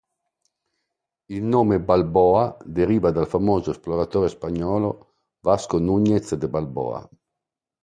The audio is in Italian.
Il nome "Balboa", deriva dal famoso esploratore spagnolo, Vasco Núñez de Balboa.